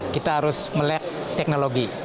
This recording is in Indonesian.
kita harus melihat teknologi